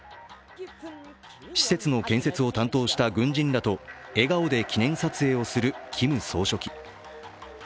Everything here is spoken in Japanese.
施設の建設を担当した軍人らと笑顔で記念撮影するキム総書記。